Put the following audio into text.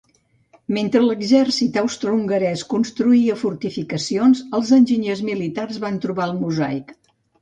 Mentre l'exèrcit austrohongarès construïa fortificacions, els enginyers militars van trobar el mosaic.